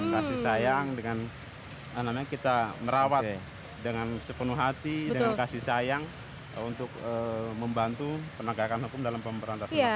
kasih sayang dengan kita merawat dengan sepenuh hati dengan kasih sayang untuk membantu penegakan hukum dalam pemberantasan korupsi